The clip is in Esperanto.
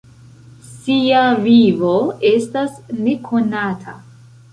Sia vivo estas nekonata.